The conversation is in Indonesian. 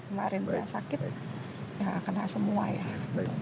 kemarin sudah sakit ya kena semua ya